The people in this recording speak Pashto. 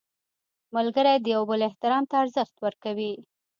ملګری د یو بل احترام ته ارزښت ورکوي